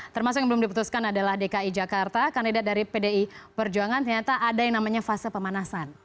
termasuk yang belum diputuskan adalah dki jakarta kandidat dari pdi perjuangan ternyata ada yang namanya fase pemanasan